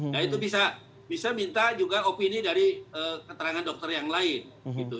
nah itu bisa minta juga opini dari keterangan dokter yang lain gitu